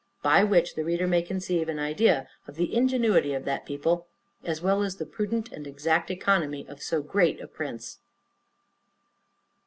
By which, the reader may conceive an idea of the ingenuity of that people, as well as the prudent and exact economy of so great a prince.